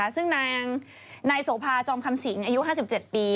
ซึ่งนางนายโสภาจอมคำสิงอายุ๕๗ปี